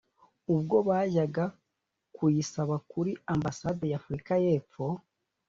ubwo bajyaga kuyisaba kuri ambasade y’Afurika y’Epfo